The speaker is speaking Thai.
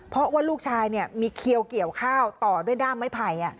เพราะว่าลูกชายมีเขียวเกี่ยวข้าวต่อด้วยด้ามไม้ไผ่